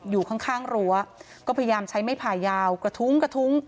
อยู่ข้างข้างรั้วก็พยายามใช้ไม้ผ่ายาวกระทุ้งกระทุ้ง